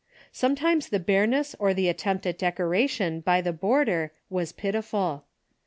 Sometimes the bareness or the attempt at decoration by the boarder was piti ful.